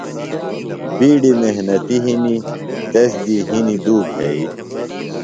بِیڈیۡ محنِتی ِہنیۡ، تس دی ہنیۡ ُدو گھئی